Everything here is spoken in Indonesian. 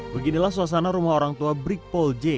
beginilah suasana rumah orang tua brikpol j